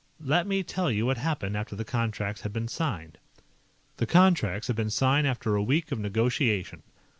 "Let me tell you what happened after the contracts had been signed "... The contracts had been signed after a week of negotiation.